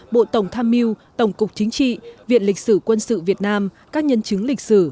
bộ tổng tham mưu tổng cục chính trị viện lịch sử quân sự việt nam các nhân chứng lịch sử